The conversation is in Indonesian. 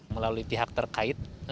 melalui pihak terkait